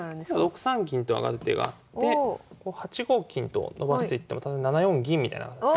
６三銀と上がる手があって８五金と伸ばしていったら７四銀みたいな形で。